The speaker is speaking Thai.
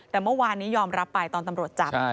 แต่เมื่อวานนี้ยอมรับไปตอนตำรวจจับ